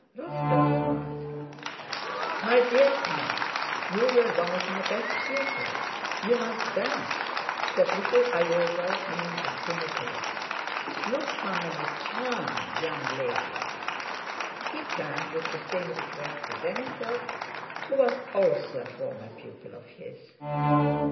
Rostóv smiled. "My dear count, you were one of my best pupils—you must dance," said little Iogel coming up to Nicholas. "Look how many charming young ladies—" He turned with the same request to Denísov who was also a former pupil of his.